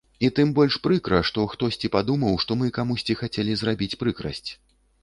І тым больш прыкра, што хтосьці падумаў, што мы камусьці хацелі зрабіць прыкрасць.